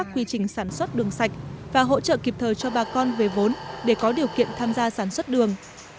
quy trình sản xuất đường sạch và hỗ trợ kịp thời cho bà con về vốn để có điều kiện tham gia sản xuất đường